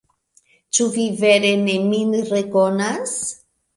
Ĉu vi vere ne min rekonas?